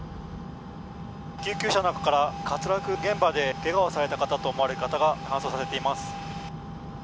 救急車の中から、滑落現場でけがをされた方と思われる方が搬送されています。